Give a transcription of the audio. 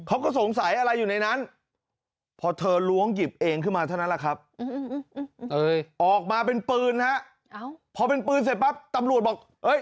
ออกมาเป็นปืนครับพอเป็นปืนเสร็จปั๊บตำรวจบอกเอ๊ย